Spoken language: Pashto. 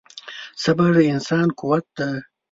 • صبر د انسان قوت دی.